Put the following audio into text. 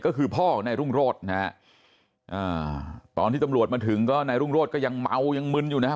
ก็คือพ่อของนายรุ่งโรธนะฮะอ่าตอนที่ตำรวจมาถึงก็นายรุ่งโรธก็ยังเมายังมึนอยู่นะฮะ